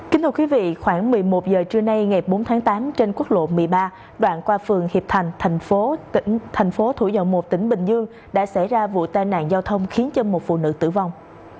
kính thưa quý vị khoảng một mươi một giờ trưa nay ngày bốn tháng tám trên quốc lộ một mươi ba đoạn qua phường hiệp thành thành phố thủ dầu một tỉnh bình dương đã xảy ra vụ tai nạn giao thông khiến cho một phụ nữ tử vong